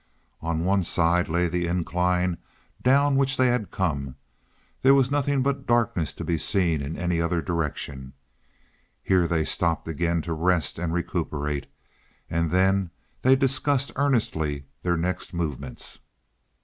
On one side lay the incline down which they had come. There was nothing but darkness to be seen in any other direction. Here they stopped again to rest and recuperate, and then they discussed earnestly their next movements.